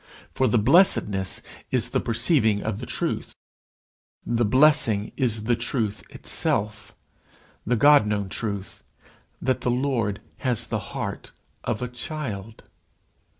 For the blessedness is the perceiving of the truth the blessing is the truth itself the God known truth, that the Lord has the heart of a child.